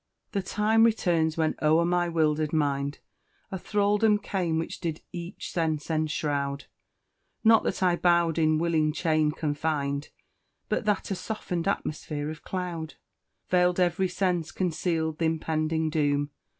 "The time returns when o'er my wilder'd mind, A thraldom came which did each sense enshroud; Not that I bowed in willing chain confined, But that a soften'd atmosphere of cloud Veiled every sense conceal'd th' impending doom.